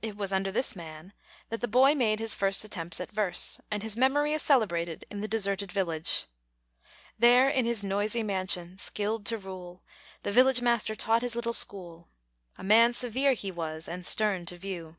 It was under this man that the boy made his first attempts at verse, and his memory is celebrated in The Deserted Village: There, in his noisy mansion, skilled to rule, The village master taught his little school. A man severe he was, and stern to view.